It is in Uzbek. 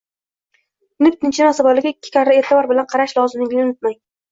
tinib-tinchimas bolaga ikki karra eʼtibor bilan qarash lozimligini unutmang.